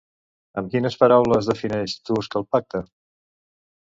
Amb quines paraules defineix Tusk el pacte?